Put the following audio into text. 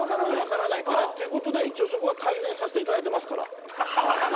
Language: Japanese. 分からないからっていうことで一応そこは改善させていただいてますから。